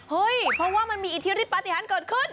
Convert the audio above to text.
เฮ้ยพอว่ามันมีอิทธิริปติฮันทร์เกิดขึ้น